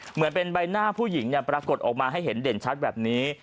เหมือนเป็นใบหน้าผู้หญิงปรากฏออกมาให้เห็นเด่นชัดแบบนี้